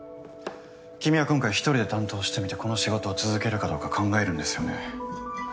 君は今回１人で担当してみてこの仕事を続けるかどうか考えるんですよね。